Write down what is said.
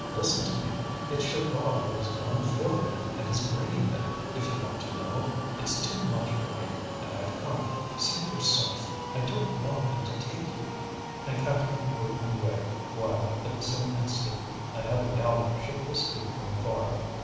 Listen to me. It's Chaval who has gone for them and is bringing them, if you want to know. It's too much for me, and I've come. Save yourself, I don't want them to take you." And Catherine drew him away, while, at the same instant, a heavy gallop shook the street from afar.